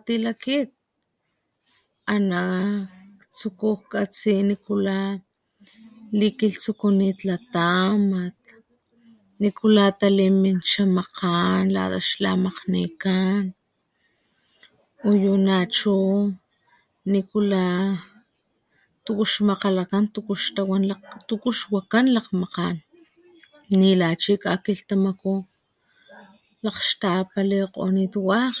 Akit akxni xakan pukgaltawakga lata kiliktsu, kanikxniwa klakgatilh lajkgaxmata la xkinkamasiniyán ki magalhtawakgena , na chu kakxilhli kilhmaktuy takgalhtawakge, xwijá ama likgalhtawakga xa liputlekgen, limakgatsokgni, lilakgapasni pulataman, lalilatamat minitancha wili wa ma snun klakgatilh, ¿wana wa klakgatilh akit? ana ktsukulh katsi nikula likilhtsukunit latamat, nikula taliminchá makgan lata xla makgnikán, uyu nachu, nikula tuku xmakgalakan, tuku xtawan, tuku xwakan lakgmakgan, nila chi kakilhtamaku lakgxtapalikgonit wakg,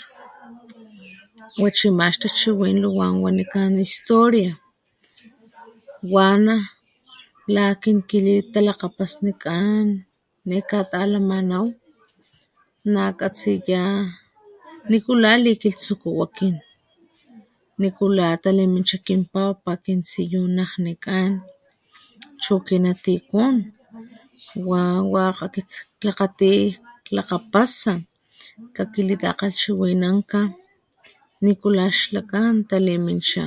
wa chima xtachiwin luwán wanikan historia ¿wana? la akin kilitalakgapasnikan nekatalamanaw nakatsiyá nikulá likilhtsukuw akin, nikula talimincha kin papa, kintsiyunajnikán chu kinatikun wa wakg akit klakgati klakgapasa, kakilitakgalhchiwinanka nikulá xlakan taliminchá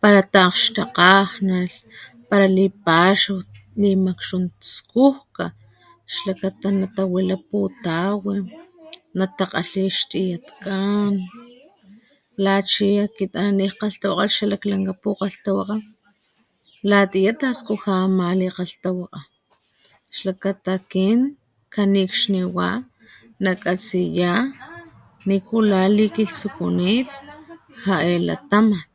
pala ta'akgxtakajnalh , pala lipaxaw, limakxtum skujka xlakata natawila putawilh natakgalhí xtiyatkán la chi akit ana nijkgalhtawakgalh xa laklanka pukgalhtawakga, latiyá taskujá ama ne kgalhtawakga xlata kin kanikxniwa nakatsiya nikula likilhtsukunit ja'e latamat.